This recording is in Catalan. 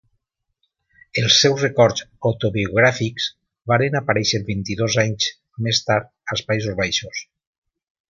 Els seus records autobiogràfics varen aparèixer vint-i-dos anys més tard als Països Baixos.